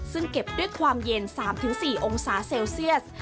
ซึ่งเก็บด้วยความเย็น๓๔องศาเซลเซียส